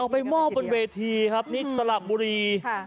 ไปมอบบนเวทีครับนี่สละบุรี